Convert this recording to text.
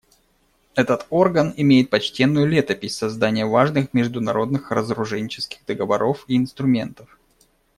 Этот орган имеет почтенную летопись создания важных международных разоруженческих договоров и инструментов.